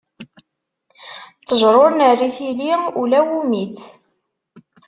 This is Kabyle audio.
Ttejṛa ur nerri tili, ula wumi-tt.